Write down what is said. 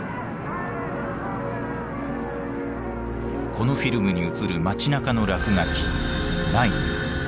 このフィルムに映る街なかの落書き「ＮＥＩＮ」。